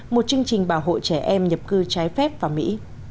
một chương trình bảo hộ trẻ em nhập cư trái phép vào mỹ